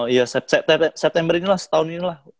iya september ini lah setahun ini lah